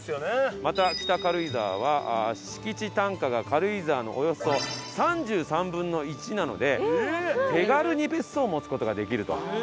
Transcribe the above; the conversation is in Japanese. また北軽井沢は敷地単価が軽井沢のおよそ３３分の１なので手軽に別荘を持つ事ができると。